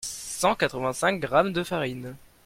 cent quatre vingt cinq grammes de farine